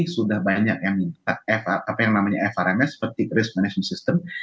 sudah banyak yang ingin apa yang namanya frms seperti risk management system